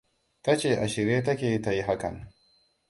Ta ce a shirye ta ke ta yi hakan.